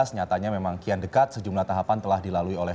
nyatanya memang kian dekat sejumlah tahapan telah dilalui oleh